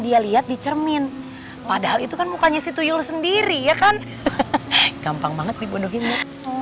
dia lihat dicermin padahal itu kan mukanya situ yul sendiri ya kan gampang banget dibodohin ya